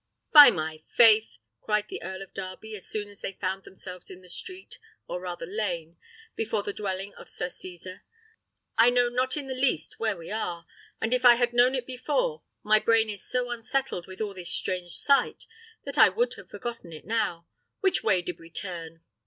"By my faith!" cried the Earl of Darby, as soon as they found themselves in the street, or rather lane, before the dwelling of Sir Cesar, "I know not in the least where we are; and if I had known it before, my brain is so unsettled with all this strange sight, that I should have forgotten it now. Which way did we turn?"